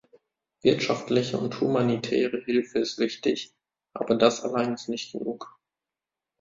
Wirtschaftliche und humanitäre Hilfe ist wichtig, aber das alleine ist nicht genug.